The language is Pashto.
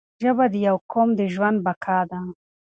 ژبه د یو قوم د ژوند بقا ده